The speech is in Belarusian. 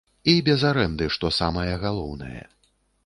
І без арэнды, што самае галоўнае!